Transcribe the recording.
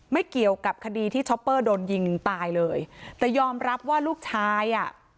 ไม่เกี่ยวกับคดีที่ช็อปเปอร์โดนยิงตายเลยแต่ยอมรับว่าลูกชายอ่ะ